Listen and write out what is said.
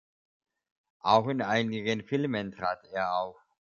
Auch in einigen Filmen trat er auf.